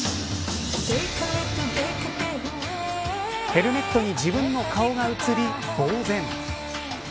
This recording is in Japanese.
ヘルメットに自分の顔が映りぼうぜん。